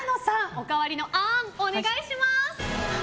おかわりのあーん、お願いします。